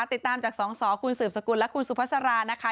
ติดตามจากสองสอคุณสืบสกุลและคุณสุภาษารานะคะ